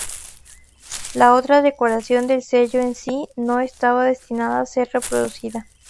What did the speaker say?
La otra decoración del sello en sí no estaba destinada a ser reproducida.